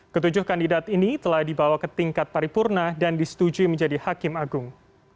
ketujuh kandidat ini telah dibawa ke tingkat paripurna dan disetujui menjadi hakim agung